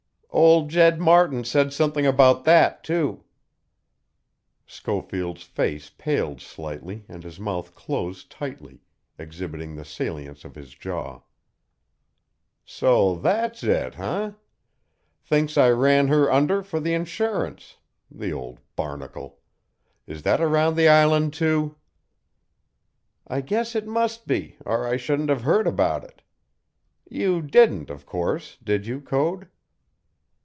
"Old Jed Martin said something about that, too." Schofield's face paled slightly and his mouth closed tightly, exhibiting the salience of his jaw. "So that's it, eh? Thinks I ran her under for the insurance the old barnacle. Is that around the island, too?" "I guess it must be, or I shouldn't have heard about it. You didn't, of course, did you, Code?"